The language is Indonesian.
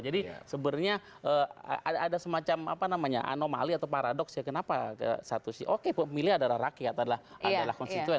jadi sebenarnya ada semacam apa namanya anomali atau paradoks ya kenapa satu sih oke pemilih adalah rakyat adalah konstituen